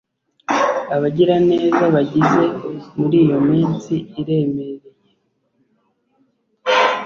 abagiraneza bagize muri iyo minsi iremereye